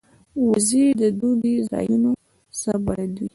وزې د دوږی ځایونو سره بلد دي